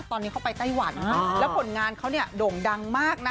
ตอนนี้เขาไปไต้หวันแล้วผลงานเขาเนี่ยโด่งดังมากนะ